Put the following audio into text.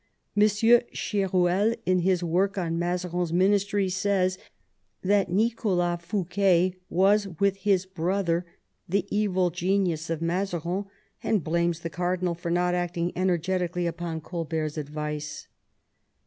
Monsieur Ch^ruel, in his work on Mazarin's ministry, says that Nicholas Fouquet was with his brother the evil genius of Mazarin, and blames the cardinal for not acting energetically upon Colbert's advice.